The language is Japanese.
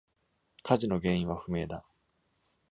火事の原因は不明だ。